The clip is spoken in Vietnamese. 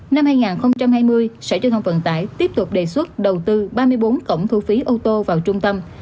năm hai nghìn hai mươi sở giao thông vận tải tiếp tục đề xuất đầu tư ba mươi bốn cổng thu phí ô tô vào trung tâm